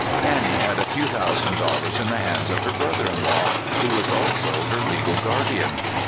Annie had a few thousand dollars in the hands of her brother in law, who was also her legal guardian.